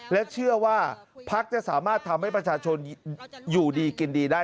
และเชื่อว่าพักจะสามารถทำให้ประชาชนอยู่ดีกินดีได้